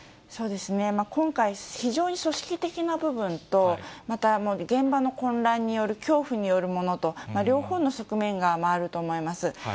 そうですね、今回、非常に組織的な部分と、また現場の混乱による恐怖によるものと、両方の側面があると思います。